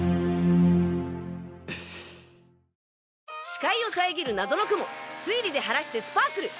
視界を遮る謎の雲推理で晴らしてスパークル！